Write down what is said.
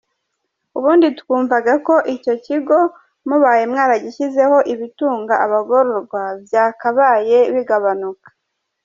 ubundi twumvaga ko icyo kigo mubaye mwaragishyizeho ibitunga abagororwa byakabaye bigabanuka.